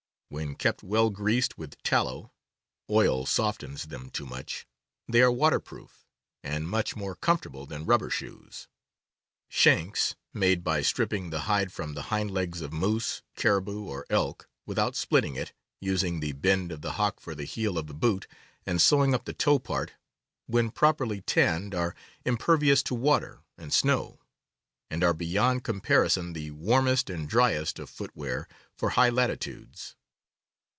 When kept well greased with tallow (oil " P k " d softens them too much) they are water « <5Vi ir » proof, and much more comfortable than rubber shoes. " Shanks " made by strip ping the hide from the hind legs of moose, caribou, or elk, without splitting it, using the bend of the hock for the heel of the boot, and sewing up the toe part, when properly tanned are impervious to w^ater and snow, and are beyond comparison the warmest and driest of footwear for high latitudes.